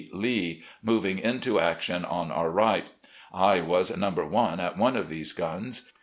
Lee, moving into action on our right. I was " Number i " at one of these guns.